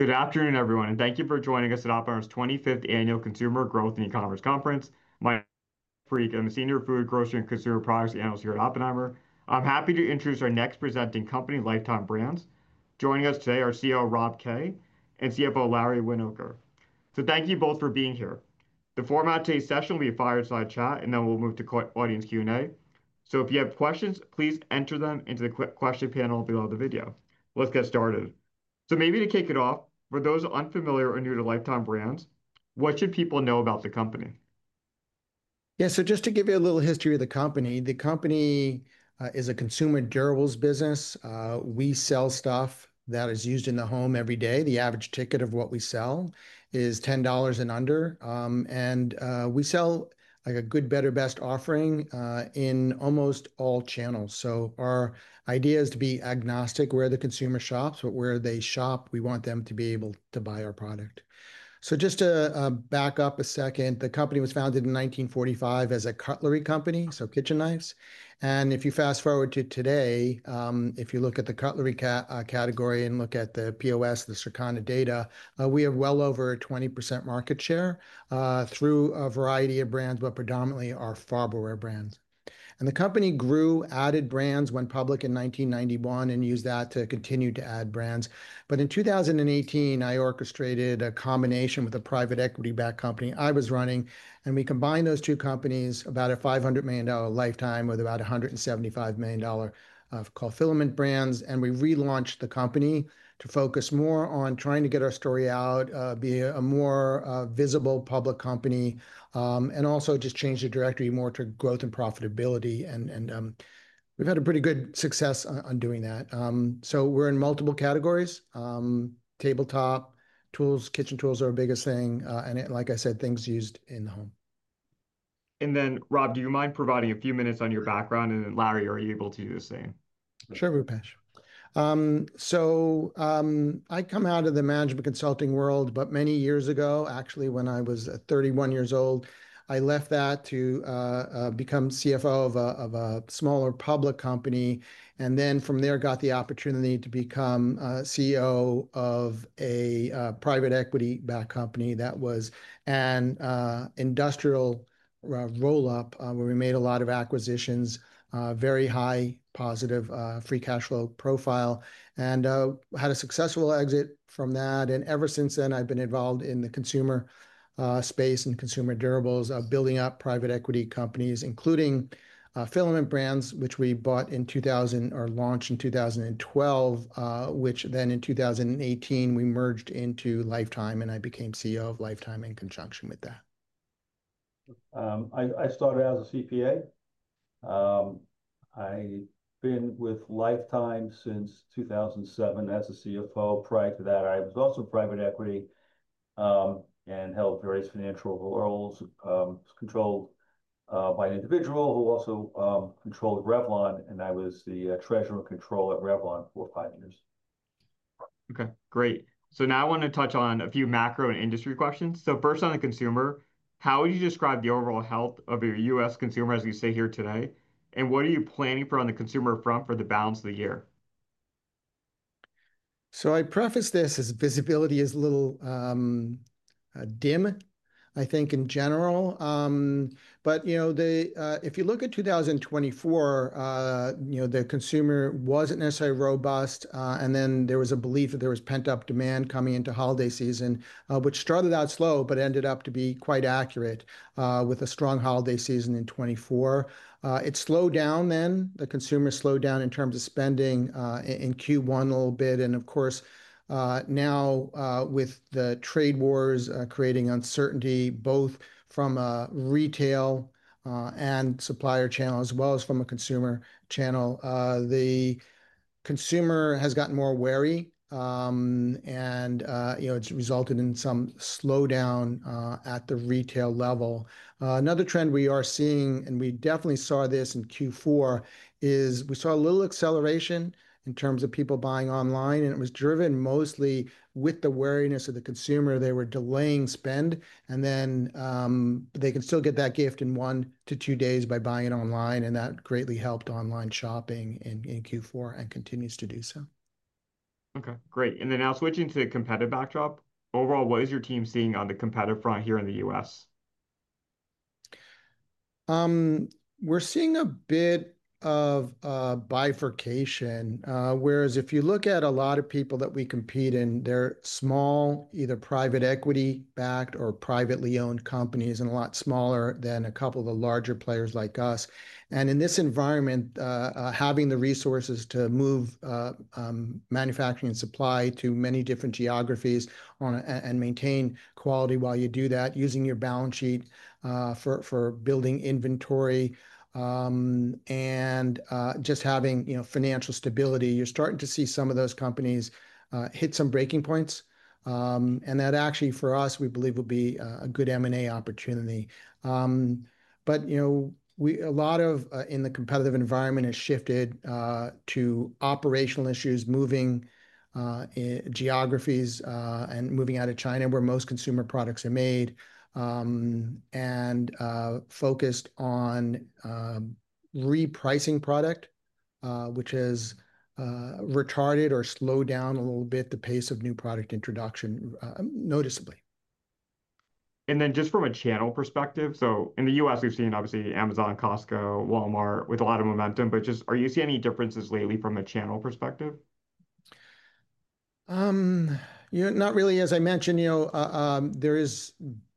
Good afternoon, everyone, and thank you for joining us at Oppenheimer's 25th Annual Consumer Growth and E-commerce Conference. I'm a Senior Food, Grocery, and Consumer Products Analyst here at Oppenheimer. I'm happy to introduce our next presenting company, Lifetime Brands. Joining us today are CEO Rob Kay and CFO Larry Winoker. Thank you both for being here. The format of today's session will be a fireside chat, and then we'll move to audience Q&A. If you have questions, please enter them into the question panel below the video. Let's get started. Maybe to kick it off, for those unfamiliar or new to Lifetime Brands, what should people know about the company? Yeah, so just to give you a little history of the company, the company is a consumer durables business. We sell stuff that is used in the home every day. The average ticket of what we sell is $10 and under. We sell like a good, better, best offering in almost all channels. Our idea is to be agnostic where the consumer shops, but where they shop, we want them to be able to buy our product. Just to back up a second, the company was founded in 1945 as a cutlery company, so kitchen knives. If you fast forward to today, if you look at the cutlery category and look at the POS, the Circana data, we have well over 20% market share through a variety of brands, but predominantly our Farberware brands. The company grew, added brands, went public in 1991, and used that to continue to add brands. In 2018, I orchestrated a combination with a private equity-backed company I was running, and we combined those two companies, about a $500 million Lifetime with about a $175 million of Fulfillment Brands. We relaunched the company to focus more on trying to get our story out, be a more visible public company, and also just change the directory more to growth and profitability. We've had a pretty good success on doing that. We're in multiple categories: tabletop, tools, kitchen tools are our biggest thing. Like I said, things used in the home. Rob, do you mind providing a few minutes on your background? Larry, are you able to do the same? Sure, Rupesh. I come out of the management consulting world, but many years ago, actually, when I was 31 years old, I left that to become CFO of a smaller public company. From there, got the opportunity to become CEO of a private equity-backed company that was an industrial roll-up where we made a lot of acquisitions, very high positive free cash flow profile, and had a successful exit from that. Ever since then, I've been involved in the consumer space and consumer durables, building up private equity companies, including Filament Brands, which we bought in 2000 or launched in 2012, which then in 2018, we merged into Lifetime, and I became CEO of Lifetime in conjunction with that. I started as a CPA. I've been with Lifetime since 2007 as CFO. Prior to that, I was also in private equity and held various financial roles. I was controlled by an individual who also controlled Revlon, and I was the treasurer of control at Revlon for five years. Okay, great. Now I want to touch on a few macro and industry questions. First, on the consumer, how would you describe the overall health of your U.S. consumer as you sit here today? What are you planning for on the consumer front for the balance of the year? I preface this as visibility is a little dim, I think, in general. If you look at 2024, the consumer was not necessarily robust. There was a belief that there was pent-up demand coming into holiday season, which started out slow but ended up to be quite accurate with a strong holiday season in 2024. It slowed down then. The consumer slowed down in terms of spending in Q1 a little bit. Of course, now with the trade wars creating uncertainty, both from a retail and supplier channel, as well as from a consumer channel, the consumer has gotten more wary. It has resulted in some slowdown at the retail level. Another trend we are seeing, and we definitely saw this in Q4, is we saw a little acceleration in terms of people buying online. It was driven mostly with the wariness of the consumer. They were delaying spend, and they can still get that gift in one to two days by buying it online. That greatly helped online shopping in Q4 and continues to do so. Okay, great. Now switching to the competitive backdrop, overall, what is your team seeing on the competitive front here in the U.S.? We're seeing a bit of bifurcation, whereas if you look at a lot of people that we compete in, they're small, either private equity-backed or privately owned companies, and a lot smaller than a couple of the larger players like us. In this environment, having the resources to move manufacturing and supply to many different geographies and maintain quality while you do that, using your balance sheet for building inventory, and just having financial stability, you're starting to see some of those companies hit some breaking points. That actually, for us, we believe would be a good M&A opportunity. A lot in the competitive environment has shifted to operational issues, moving geographies and moving out of China where most consumer products are made and focused on repricing product, which has retarded or slowed down a little bit the pace of new product introduction noticeably. From a channel perspective, in the U.S., we have seen, obviously, Amazon, Costco, Walmart with a lot of momentum. Are you seeing any differences lately from a channel perspective? Not really. As I mentioned, there is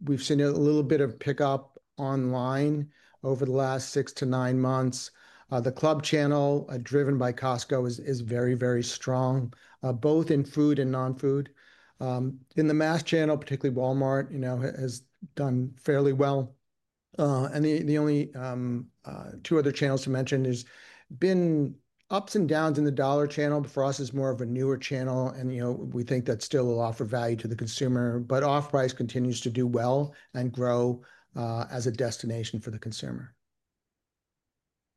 we've seen a little bit of pickup online over the last six to nine months. The Club channel, driven by Costco, is very, very strong, both in food and non-food. In the Mass channel, particularly Walmart, has done fairly well. The only two other channels to mention have been ups and downs in the Dollar channel, but for us, it's more of a newer channel. We think that still will offer value to the consumer. Off Price continues to do well and grow as a destination for the consumer.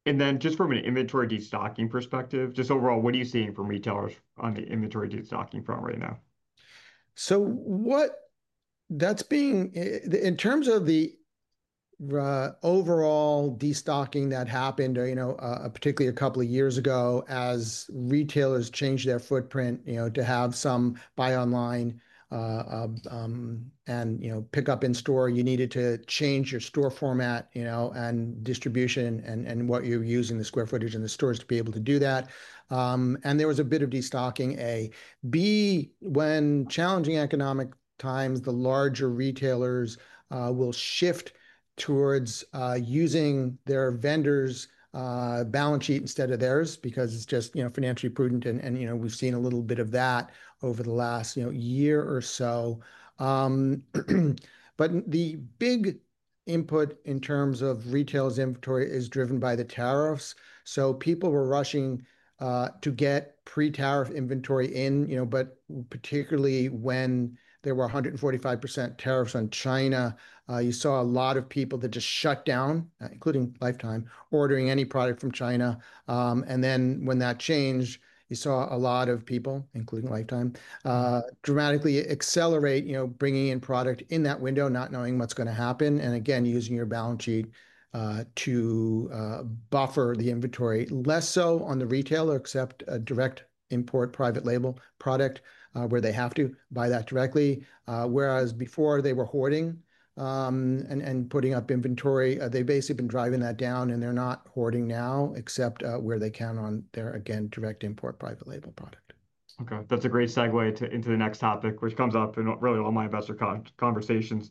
Just from an inventory destocking perspective, just overall, what are you seeing from retailers on the inventory destocking front right now? That's being in terms of the overall destocking that happened, particularly a couple of years ago, as retailers changed their footprint to have some buy online and pick up in store. You needed to change your store format and distribution and what you're using, the square footage in the stores to be able to do that. There was a bit of destocking. A, B, when challenging economic times, the larger retailers will shift towards using their vendors' balance sheet instead of theirs because it's just financially prudent. We've seen a little bit of that over the last year or so. The big input in terms of retail's inventory is driven by the tariffs. People were rushing to get pre-tariff inventory in, but particularly when there were 145% tariffs on China, you saw a lot of people that just shut down, including Lifetime, ordering any product from China. When that changed, you saw a lot of people, including Lifetime, dramatically accelerate bringing in product in that window, not knowing what's going to happen. Again, using your balance sheet to buffer the inventory, less so on the retailer, except direct import private label product where they have to buy that directly. Whereas before, they were hoarding and putting up inventory. They've basically been driving that down, and they're not hoarding now, except where they can on their, again, direct import private label product. Okay, that's a great segue into the next topic, which comes up in really all my investor conversations.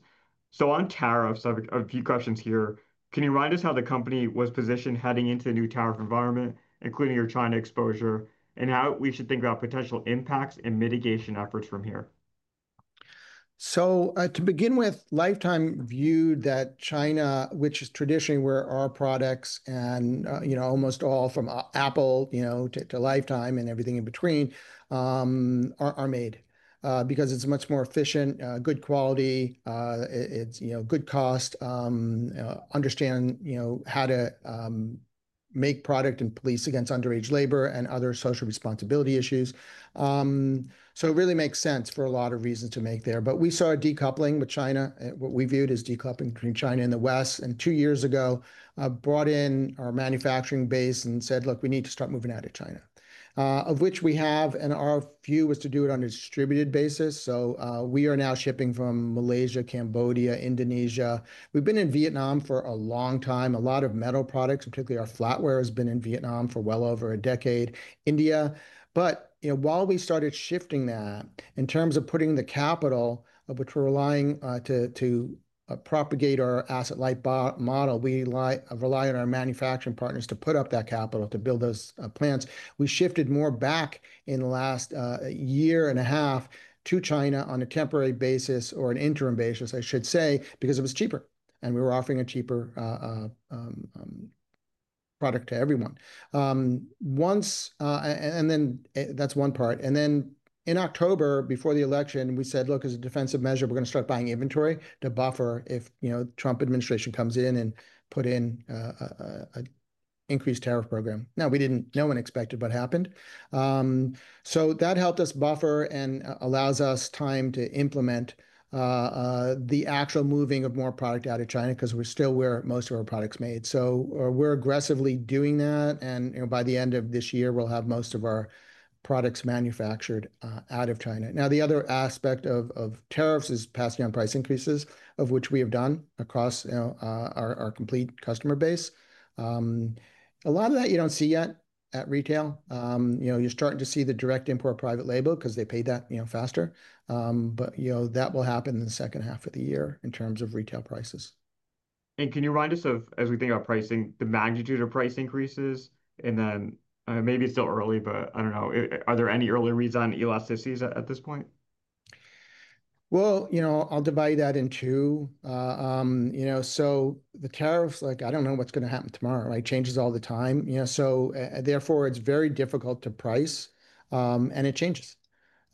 On tariffs, I have a few questions here. Can you remind us how the company was positioned heading into the new tariff environment, including your China exposure, and how we should think about potential impacts and mitigation efforts from here? To begin with, Lifetime viewed that China, which is traditionally where our products and almost all from Apple to Lifetime and everything in between are made, because it is much more efficient, good quality, good cost, understand how to make product and police against underage labor and other social responsibility issues. It really makes sense for a lot of reasons to make there. We saw a decoupling with China. What we viewed as decoupling between China and the West, and two years ago, brought in our manufacturing base and said, "Look, we need to start moving out of China," of which we have. Our view was to do it on a distributed basis. We are now shipping from Malaysia, Cambodia, Indonesia. We have been in Vietnam for a long time. A lot of metal products, particularly our flatware, have been in Vietnam for well over a decade. India. While we started shifting that in terms of putting the capital, which we are relying on to propagate our asset-light model, we rely on our manufacturing partners to put up that capital to build those plants. We shifted more back in the last year and a half to China on a temporary basis, or an interim basis, I should say, because it was cheaper, and we were offering a cheaper product to everyone. That is one part. In October, before the election, we said, "Look, as a defensive measure, we are going to start buying inventory to buffer if the Trump administration comes in and puts in an increased tariff program." We did not know and expected what happened. That helped us buffer and allows us time to implement the actual moving of more product out of China because we're still where most of our product is made. We're aggressively doing that. By the end of this year, we'll have most of our products manufactured out of China. Now, the other aspect of tariffs is passing on price increases, of which we have done across our complete customer base. A lot of that you don't see yet at retail. You're starting to see the direct import private label because they pay that faster. That will happen in the second half of the year in terms of retail prices. Can you remind us of, as we think about pricing, the magnitude of price increases? Maybe it's still early, but I don't know. Are there any early reasons on elasticities at this point? I'll divide that in two. The tariffs, I don't know what's going to happen tomorrow. It changes all the time. Therefore, it's very difficult to price, and it changes.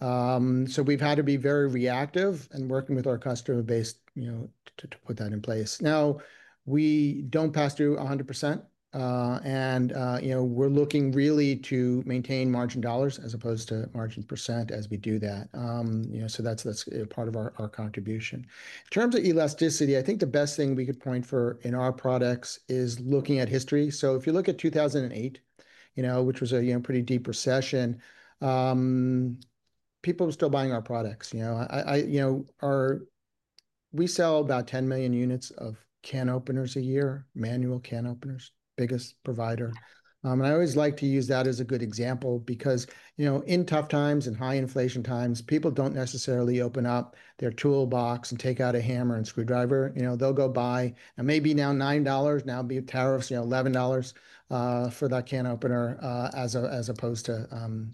We've had to be very reactive and working with our customer base to put that in place. We don't pass through 100%. We're looking really to maintain margin dollars as opposed to margin percent as we do that. That's part of our contribution. In terms of elasticity, I think the best thing we could point for in our products is looking at history. If you look at 2008, which was a pretty deep recession, people were still buying our products. We sell about 10 million units of can openers a year, manual can openers, biggest provider. I always like to use that as a good example because in tough times and high inflation times, people do not necessarily open up their toolbox and take out a hammer and screwdriver. They will go buy, and maybe now $9, now with tariffs $11 for that can opener as opposed to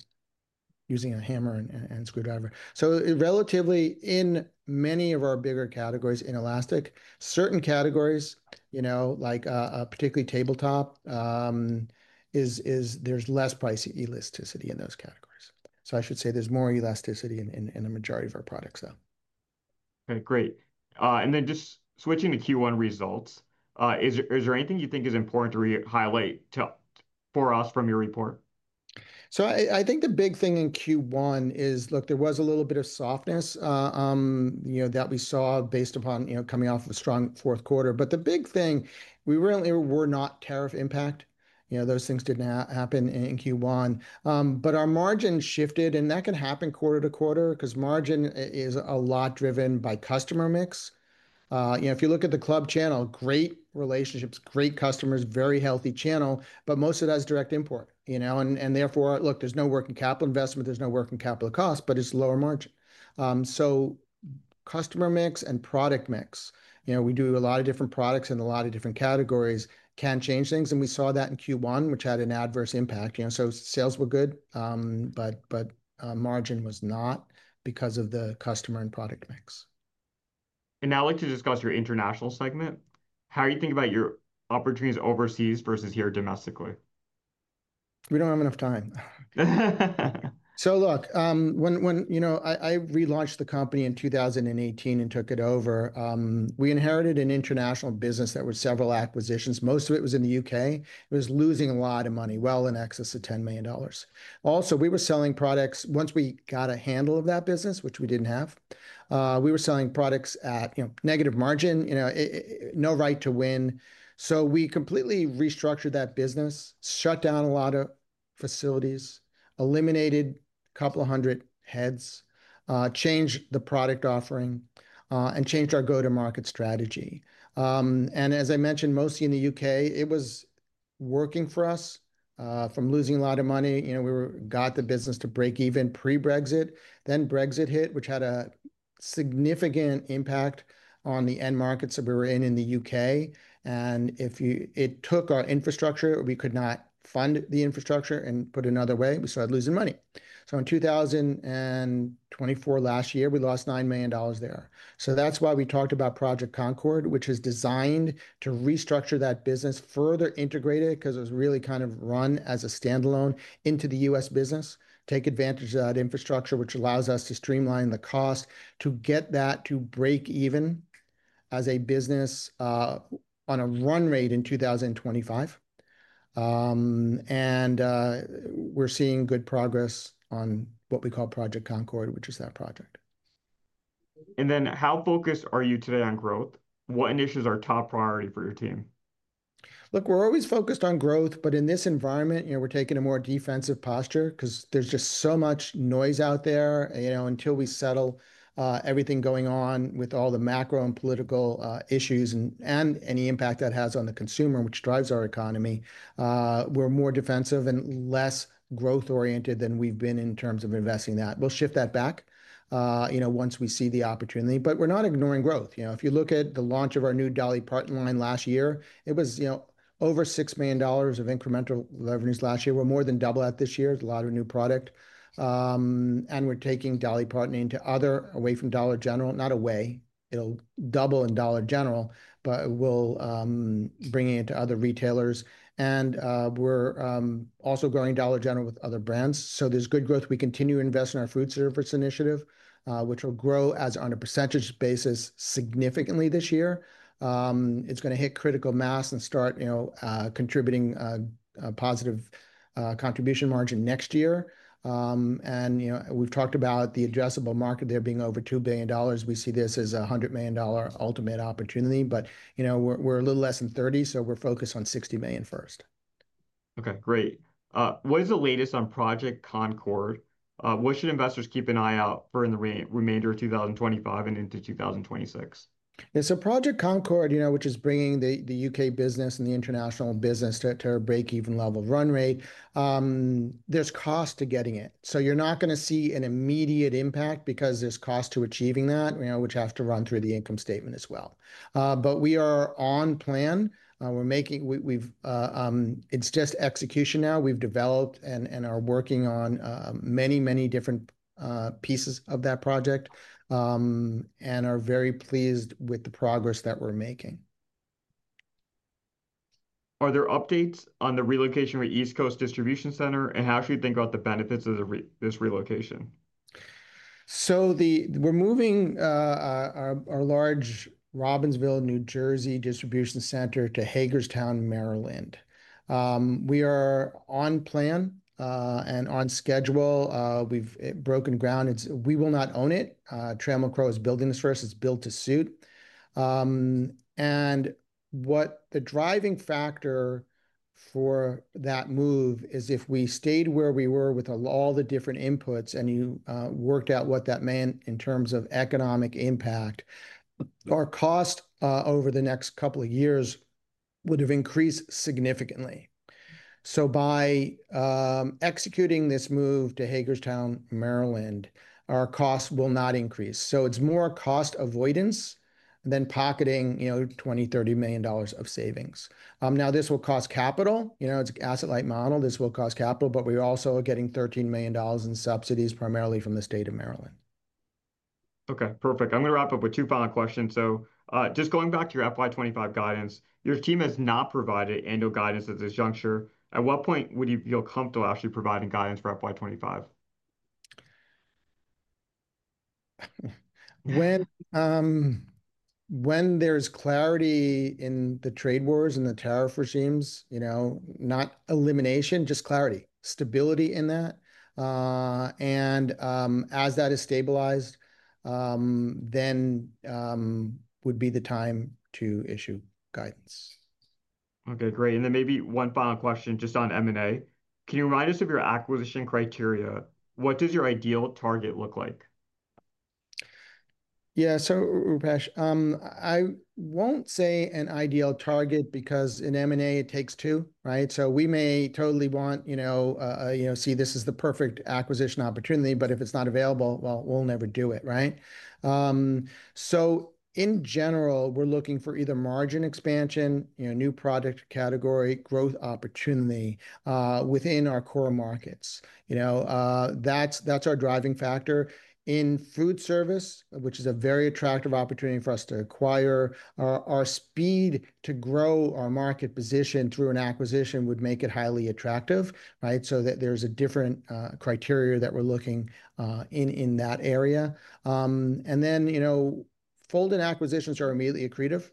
using a hammer and screwdriver. Relatively, in many of our bigger categories, inelastic. Certain categories, like particularly tabletop, there is less price elasticity in those categories. I should say there is more elasticity in the majority of our products though. Okay, great. Just switching to Q1 results, is there anything you think is important to highlight for us from your report? I think the big thing in Q1 is, look, there was a little bit of softness that we saw based upon coming off of a strong fourth quarter. The big thing, we really were not tariff impact. Those things did not happen in Q1. Our margin shifted, and that can happen quarter to quarter because margin is a lot driven by customer mix. If you look at the Club channel, great relationships, great customers, very healthy channel, but most of that is direct import. Therefore, look, there is no working capital investment, there is no working capital cost, but it is lower margin. Customer mix and product mix, we do a lot of different products in a lot of different categories, can change things. We saw that in Q1, which had an adverse impact. Sales were good, but margin was not because of the customer and product mix. I'd like to discuss your international segment. How do you think about your opportunities overseas versus here domestically? We do not have enough time. Look, when I relaunched the company in 2018 and took it over, we inherited an international business that was several acquisitions. Most of it was in the U.K. It was losing a lot of money, well in excess of $10 million. Also, we were selling products once we got a handle of that business, which we did not have. We were selling products at negative margin, no right to win. We completely restructured that business, shut down a lot of facilities, eliminated a couple of hundred heads, changed the product offering, and changed our go-to-market strategy. As I mentioned, mostly in the U.K., it was working for us. From losing a lot of money, we got the business to break even pre-Brexit. Brexit hit, which had a significant impact on the end markets that we were in in the U.K. It took our infrastructure. We could not fund the infrastructure and put it another way. We started losing money. In 2024, last year, we lost $9 million there. That is why we talked about Project Concord, which is designed to restructure that business, further integrate it because it was really kind of run as a standalone into the U.S. business, take advantage of that infrastructure, which allows us to streamline the cost, to get that to break even as a business on a run rate in 2025. We are seeing good progress on what we call Project Concord, which is that project. How focused are you today on growth? What initiatives are top priority for your team? Look, we're always focused on growth, but in this environment, we're taking a more defensive posture because there's just so much noise out there until we settle everything going on with all the macro and political issues and any impact that has on the consumer, which drives our economy. We're more defensive and less growth-oriented than we've been in terms of investing that. We'll shift that back once we see the opportunity. We're not ignoring growth. If you look at the launch of our new Dolly Parton line last year, it was over $6 million of incremental revenues last year. We're more than double that this year. There's a lot of new product. We're taking Dolly Parton into other, away from Dollar General, not away. It'll double in Dollar General, but we'll bring it into other retailers. We're also growing Dollar General with other brands. There's good growth. We continue to invest in our food service initiative, which will grow on a percentage basis significantly this year. It's going to hit critical mass and start contributing a positive contribution margin next year. We've talked about the addressable market there being over $2 billion. We see this as a $100 million ultimate opportunity. We're a little less than $30 million, so we're focused on $60 million first. Okay, great. What is the latest on Project Concord? What should investors keep an eye out for in the remainder of 2025 and into 2026? Project Concord, which is bringing the U.K. business and the international business to a break-even level of run rate, there's cost to getting it. You're not going to see an immediate impact because there's cost to achieving that, which has to run through the income statement as well. We are on plan. It's just execution now. We've developed and are working on many, many different pieces of that project and are very pleased with the progress that we're making. Are there updates on the relocation of the East Coast distribution center and how should you think about the benefits of this relocation? We're moving our large Robbinsville, New Jersey distribution center to Hagerstown, Maryland. We are on plan and on schedule. We've broken ground. We will not own it. Trammell Crow is building this for us. It's built to suit. What the driving factor for that move is if we stayed where we were with all the different inputs and you worked out what that meant in terms of economic impact, our cost over the next couple of years would have increased significantly. By executing this move to Hagerstown, Maryland, our cost will not increase. It's more cost avoidance than pocketing $20-$30 million of savings. This will cost capital. It's an asset-light model. This will cost capital, but we're also getting $13 million in subsidies primarily from the state of Maryland. Okay, perfect. I'm going to wrap up with two final questions. Just going back to your FY 2025 guidance, your team has not provided annual guidance at this juncture. At what point would you feel comfortable actually providing guidance for FY 2025? When there's clarity in the trade wars and the tariff regimes, not elimination, just clarity, stability in that. As that is stabilized, then would be the time to issue guidance. Okay, great. Maybe one final question just on M&A. Can you remind us of your acquisition criteria? What does your ideal target look like? Yeah, so Rupesh, I won't say an ideal target because in M&A, it takes two, right? We may totally want to see this as the perfect acquisition opportunity, but if it's not available, we'll never do it, right? In general, we're looking for either margin expansion, new product category, growth opportunity within our core markets. That's our driving factor. In food service, which is a very attractive opportunity for us to acquire, our speed to grow our market position through an acquisition would make it highly attractive, right? There's a different criteria that we're looking in that area. Then folded acquisitions are immediately accretive.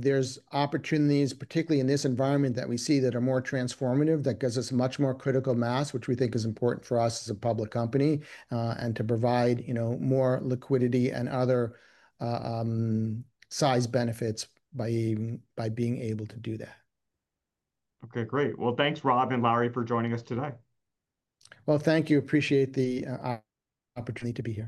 There are opportunities, particularly in this environment that we see, that are more transformative that give us much more critical mass, which we think is important for us as a public company and to provide more liquidity and other size benefits by being able to do that. Okay, great. Thanks, Rob and Larry, for joining us today. Thank you. Appreciate the opportunity to be.